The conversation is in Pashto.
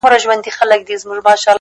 کندهارۍ سترگي دې د هند د حورو ملا ماتوي;